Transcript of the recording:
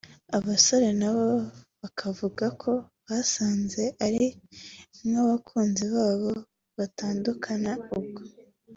abasore na bo bakavuga ko basanze ari nk’abakunzi babo batandukana ubwo